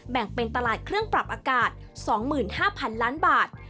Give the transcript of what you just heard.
แบ่งเป็นตลาดเครื่องปรับอากาศ๒๕๐๐๐ล้านบาท